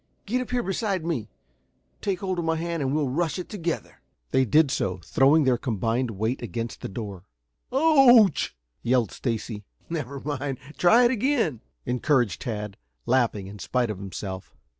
Get up here beside me. Take hold of my hand and we'll rush it together." They did so, throwing their combined weight against the door. "Ouch!" yelled Stacy. "Never mind, try it again," encouraged Tad, laughing in spite of himself.